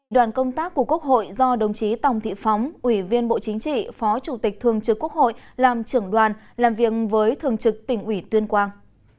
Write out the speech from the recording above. đoàn công tác của quốc hội do đồng chí tòng thị phóng ủy viên bộ chính trị phó chủ tịch thường trực quốc hội làm trưởng đoàn làm việc với thường trực tỉnh ủy tuyên quang